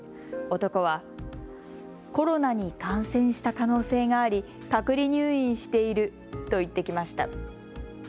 男はコロナに感染した可能性があり隔離入院していると言ってきました。